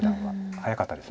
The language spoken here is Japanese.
早かったです。